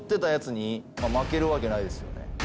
負けるわけないですよね。